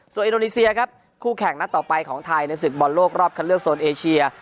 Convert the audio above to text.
ส่วนอินโดนีเซียครับคู่แข่งนัดต่อไปของไทยในศึกบอลโลกรอบคันเลือกโซนเอเชีย